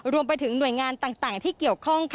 รวมไปถึงหน่วยงานต่างที่เกี่ยวข้อง